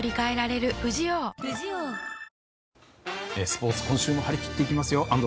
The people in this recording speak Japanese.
スポーツ今週も張り切っていきますよ。